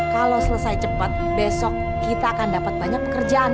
kalau selesai cepat besok kita akan dapat banyak pekerjaan